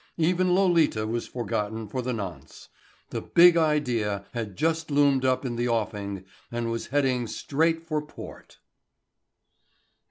Even Lolita was forgotten for the nonce. The Big Idea had just loomed up in the offing and was heading straight for port.